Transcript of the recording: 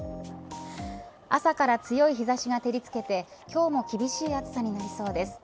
朝から強い日差しが照りつけて今日も厳しい暑さになりそうです。